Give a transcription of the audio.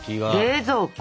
冷蔵庫！